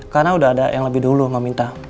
karena udah ada yang lebih dulu meminta